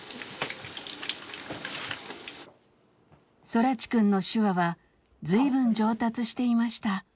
空知くんの手話はずいぶん上達していました。